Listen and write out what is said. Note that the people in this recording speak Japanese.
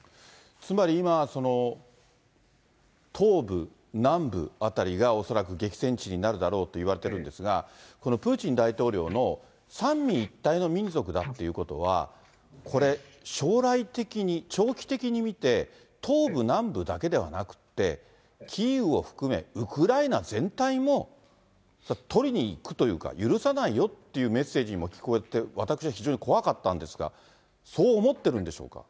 つまり今、東部、南部辺りが、恐らく激戦地になるだろうといわれているんですが、プーチン大統領の三位一体の民族だっていうことは、これ、将来的に、長期的に見て、東部、南部だけではなくて、キーウを含め、ウクライナ全体も、それは取りに行くというか、許さないよっていうメッセージにも聞こえて、私は非常に怖かったんですが、そう思ってるんでしょうか。